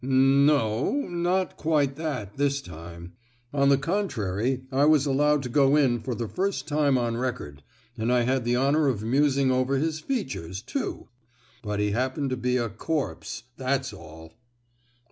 "N—no! not quite that, this time; on the contrary I was allowed to go in for the first time on record, and I had the honour of musing over his features, too!—but he happened to be a corpse, that's all!"